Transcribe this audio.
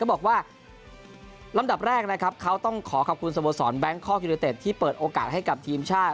บอกว่าลำดับแรกนะครับเขาต้องขอขอบคุณสโมสรแบงคอกยูเนเต็ดที่เปิดโอกาสให้กับทีมชาติ